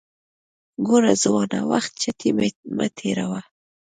ګوره ځوانه وخت چټي مه تیروه